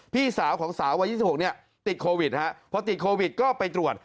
พี่สาวของสาววัย๒๖เนี่ยติดโควิดพอติดโควิดก็ไปตรวจ